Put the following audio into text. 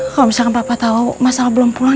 kalau misalkan papa tau mas al belum pulang